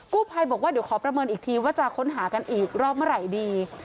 ภัยบอกว่าเดี๋ยวขอประเมินอีกทีว่าจะค้นหากันอีกรอบเมื่อไหร่ดี